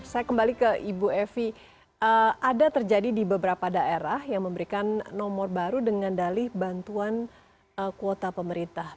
saya kembali ke ibu evi ada terjadi di beberapa daerah yang memberikan nomor baru dengan dalih bantuan kuota pemerintah